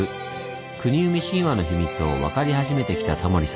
国生み神話の秘密を分かり始めてきたタモリさん。